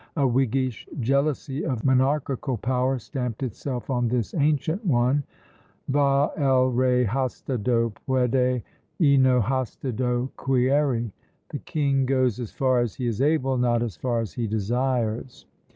A Whiggish jealousy of the monarchical power stamped itself on this ancient one, Va el rey hasta do peude, y no hasta do quiere: "The king goes as far as he is able, not as far as he desires."